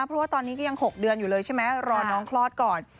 เพราะว่าตอนนี้ก็ยัง๖เดือนอยู่เลยใช่ไหมรอน้องคลอดก่อน